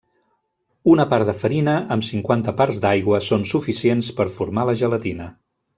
Una part de farina amb cinquanta parts d'aigua són suficients per formar la gelatina.